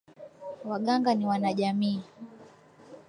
Waganga ni wanajamii.